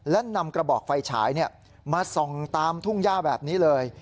และนำกระบอกไฟฉายมาส่องตามทุ่งย่าแบบนี้เลย